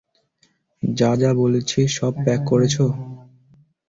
যা যা বলেছি সব প্যাক করেছো?